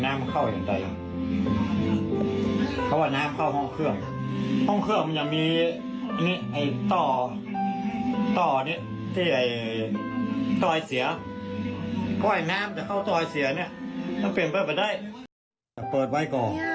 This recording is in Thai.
ก้อยน้ำจะเข้าตรอยเสียเนี่ยมันเปลี่ยนไปไม่ได้